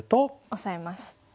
オサえます。